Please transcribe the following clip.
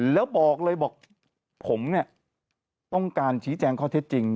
แล้วบอกเลยบอกผมเนี่ยต้องการชี้แจงข้อเท็จจริง